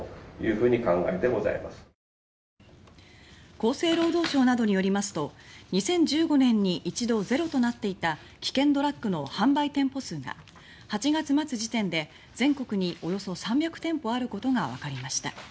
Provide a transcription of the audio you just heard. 厚生労働省などによりますと２０１５年に一度ゼロとなっていた危険ドラッグの販売店舗数が８月末時点で全国におよそ３００店舗あることがわかりました。